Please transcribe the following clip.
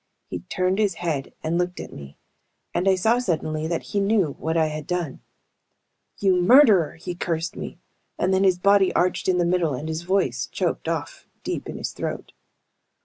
He turned his head and looked at me, and I saw suddenly that he knew what I had done. "You murderer!" he cursed me, and then his body arched in the middle and his voice choked off deep in his throat.